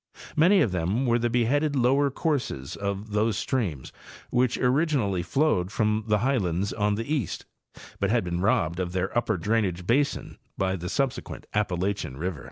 Many of them were the beheaded lower courses of those streams which originally flowed from the highlands on the east, but had been robbed of their upper drainage basins by the subsequent Appalachian river, 15—Nart.